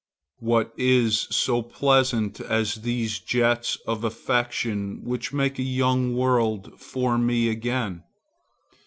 What is so pleasant as these jets of affection which make a young world for me again?